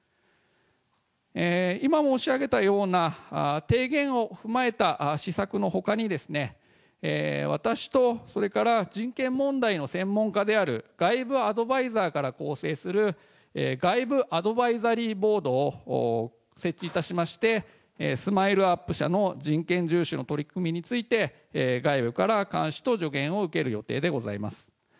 今申し上げたような提言を踏まえた施策のほかにですね、私と、それから人権問題の専門家である外部アドバイザーから構成する外部アドバイザリー・ボードを設置いたしまして、スマイルアップ社の人権順守の取り組みについて外部から監視と助言を受ける予定でございます。